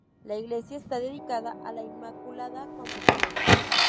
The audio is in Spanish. La iglesia está dedicada a La Inmaculada Concepción.